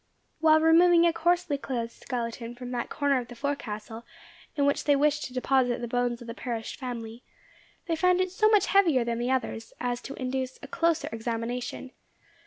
While removing a coarsely clothed skeleton from that corner of the forecastle in which they wished to deposit the bones of the perished family, they found it so much heavier than the others, as to induce a closer examination.